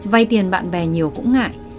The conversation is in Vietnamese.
vày tiền bạn bè nhiều cũng ngại